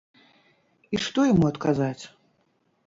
І што яму адказаць?